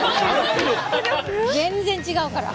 全然ちがうから。